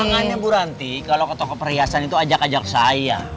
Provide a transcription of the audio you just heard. makanya buranti kalau ke toko perhiasan itu ajak ajak saya